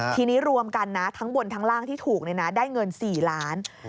ทีนี้รวมกันทั้งบนทั้งล่างที่ถูกได้เงิน๔๐๐๐๐๐๐บาท